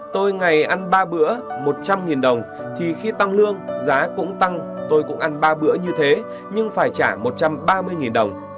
tôi ngày ăn ba bữa một trăm linh đồng thì khi tăng lương giá cũng tăng tôi cũng ăn ba bữa như thế nhưng phải trả một trăm ba mươi đồng